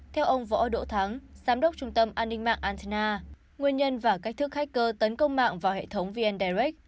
theo ông võ đỗ thắng giám đốc trung tâm an ninh mạng antena nguyên nhân và cách thức khách cơ tấn công mạng vào hệ thống vn direct